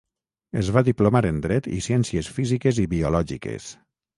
Es va diplomar en dret i ciències físiques i biològiques.